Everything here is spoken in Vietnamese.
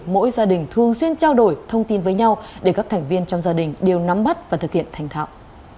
mỗi gia đình thường xuyên trao đổi thông tin với nhau để các thành viên trong gia đình đều nắm bắt và thực hiện thành thạo